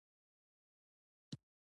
یو حرکت او بل سکون دی.